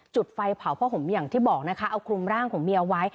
จุดไฟเผาผ้าห่มอย่างที่บอกนะคะเอาคลุมร่างของเมียไว้